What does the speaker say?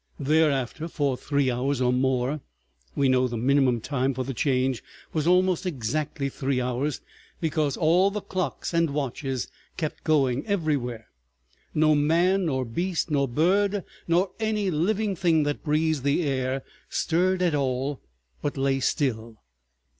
... Thereafter, for three hours or more,—we know the minimum time for the Change was almost exactly three hours because all the clocks and watches kept going—everywhere, no man nor beast nor bird nor any living thing that breathes the air stirred at all but lay still.